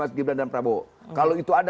mas gibran dan prabowo kalau itu ada